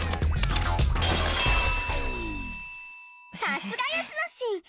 さすがやすのしん！